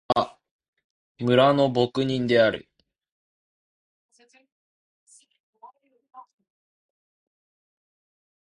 メロスは、村の牧人である。